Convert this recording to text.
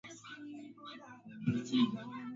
Wanagombana siku zote.